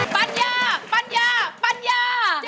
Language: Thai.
ปัญญาปั้นยาปัญญา